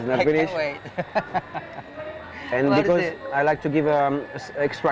saya suka memberikan kekuatan ekstra